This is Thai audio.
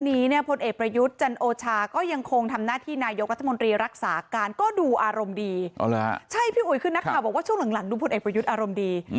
นี้เนี้ยพลเด็กประยุัติจรรยาโจทย์ก็ยังคงทำหน้าที่นายกรัฐมนตรีรักษาการก็ดูอารมณ์ดี